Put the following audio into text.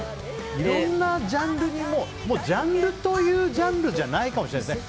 いろんなジャンルにジャンルというジャンルじゃないかもしれないですね。